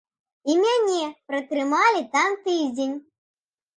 І мяне пратрымалі там тыдзень.